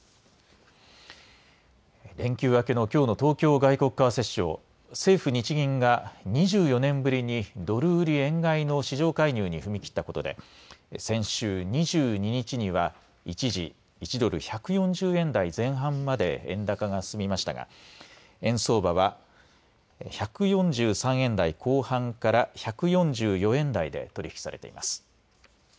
連休明けのきょうの東京外国為替市場政府・日銀が２４年ぶりにドル売り円買いの市場介入に踏み切ったことで先週２２日には一時１ドル１４０円台前半まで円高が進みましたが円相場は１４３円台後半から１４４円台で取り引きされています。